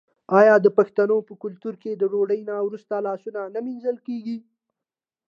آیا د پښتنو په کلتور کې د ډوډۍ نه وروسته لاسونه نه مینځل کیږي؟